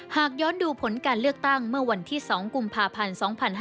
หากย้อนดูผลการเลือกตั้งเมื่อวันที่๒กุมภาพันธ์๒๕๕๙